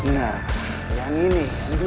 nah yang ini